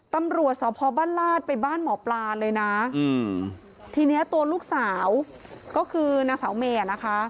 ตำรวจสพบ้านลาดไปบ้านหมอปลาเลยนะทีนี้ตัวลูกสาวก็คือนางสาวเมย์อ่ะนะคะ